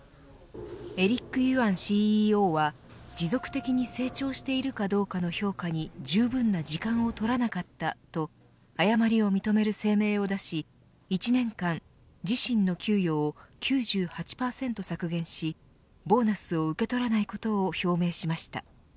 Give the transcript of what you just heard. エリック・ユアンＣＥＯは持続的に成長しているかどうかの評価にじゅうぶんな時間を取らなかったと誤りを認める声明を出し１年間、自身の給与を９８％削減しボーナスを受け取らないことを表明しました。